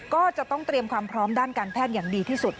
ก็จะต้องเตรียมความพร้อมด้านการแพทย์อย่างดีที่สุด